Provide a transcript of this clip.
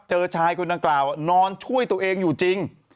เจอชายคนดังกล่าวนอนช่วยตัวเองอยู่จริง